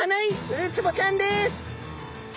ウツボちゃんです。